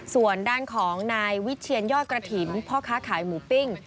ส่วนด้านของนายวิเชียนยอดกระถิ่นพ่อค้าขายหมูปิ้ง